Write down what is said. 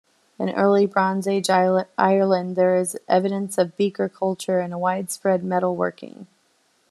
In early-Bronze Age Ireland there is evidence of Beaker culture and a widespread metalworking.